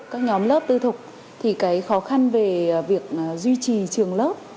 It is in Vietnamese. các nhóm lớp tư thục thì cái khó khăn về việc duy trì trường lớp